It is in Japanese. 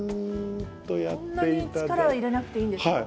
そんなに力を入れなくていいんですね。